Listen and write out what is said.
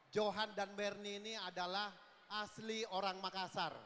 johan dan mernie ini adalah asli orang makassar